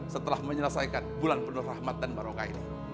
setelah menyelesaikan bulan penuh rahmat dan barokah ini